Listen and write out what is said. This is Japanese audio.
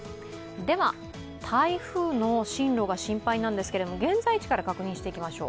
台風の進路が心配なんですけれども現在地から確認していきましょう。